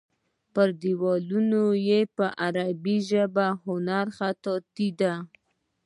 پر دیوالونو یې په عربي ژبه هنري خطاطي ده.